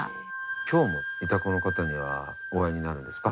今日もイタコの方にはお会いになるんですか？